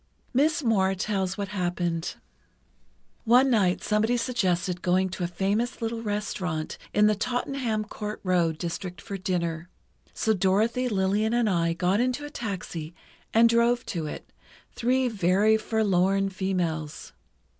Miss Moir tells what happened: One night somebody suggested going to a famous little restaurant in the Tottenham Court Rd. district for dinner. So Dorothy, Lillian and I got into a taxi and drove to it, three very forlorn females....